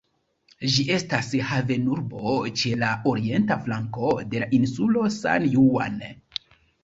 Ĝi estas havenurbo ĉe la orienta flanko de la insulo San Juan.